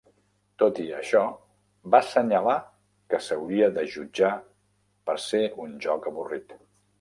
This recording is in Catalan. Tot i això, va assenyalar que s'hauria de jutjar per ser un joc avorrit.